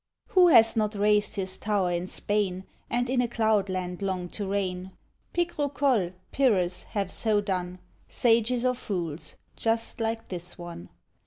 Who has not raised his tower in Spain, And in a cloud land longed to reign? Picrocolles, Pyrrhus have so done, Sages or fools, just like this one.